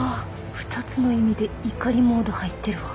２つの意味でいかりモード入ってるわ。